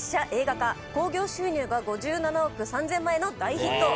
興行収入が５７億３０００万円の大ヒット。